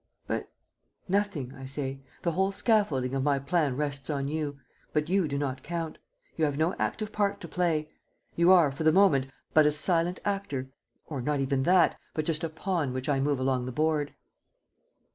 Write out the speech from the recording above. "But ..." "Nothing, I say. The whole scaffolding of my plans rests on you, but you do not count. You have no active part to play. You are, for the moment, but a silent actor, or not even that, but just a pawn which I move along the board."